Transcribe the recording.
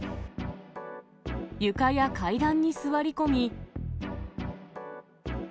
床や階段に座り込み。